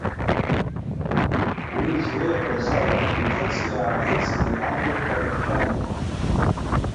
Уи излеиҳәаз ала, нхыҵгьы-аахыҵгьы амҩақәа ркхьан.